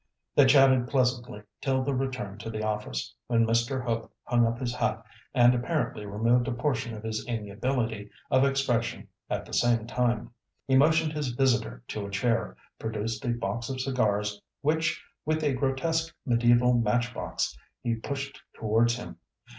They chatted pleasantly till the return to the office, when Mr. Hope hung up his hat, and apparently removed a portion of his amiability of expression at the same time. He motioned his visitor to a chair, produced a box of cigars, which, with a grotesque mediæval matchbox, he pushed towards him.